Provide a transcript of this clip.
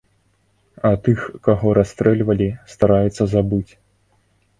А тых, каго расстрэльвалі, стараюцца забыць.